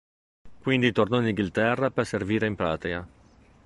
Quindi tornò in Inghilterra per servire in patria.